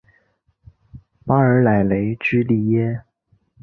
巴尔莱雷居利耶。